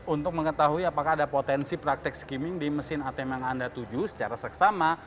untuk mengetahui apakah ada potensi praktek skimming di mesin atm yang anda tuju secara seksama